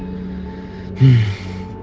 gak ada yang bisa dikira